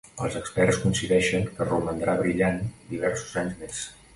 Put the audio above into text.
Els experts coincideixen que romandrà brillant diversos anys més.